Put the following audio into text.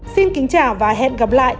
xin kính chào và hẹn gặp lại